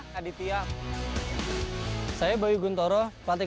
kami dari timnas sepak bola amputasi indonesia